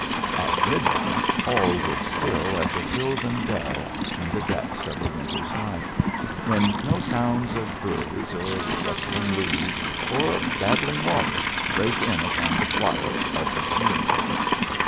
At midnight all was still as a sylvan dell in the depths of a winter's night, when no sounds of birds, or of rustling leaves, or of babbling waters break in upon the quiet of the scene.